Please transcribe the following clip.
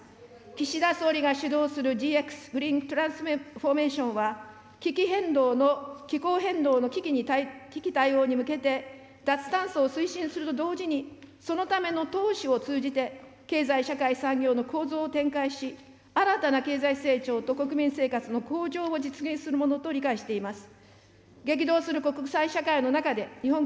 岸田総理が主導するＧＸ・グリーントランスフォーメーションはきき変動の、気候変動の危機対応に向けて脱炭素を推進すると同時に、そのための投資を通じて経済・社会・産業の構造を転換し、新たな経済成長と国民生活の向上を実現するものと理解しています。